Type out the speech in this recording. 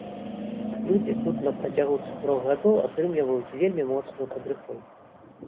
Людзі тут на працягу чатырох гадоў атрымліваюць вельмі моцную падрыхтоўку.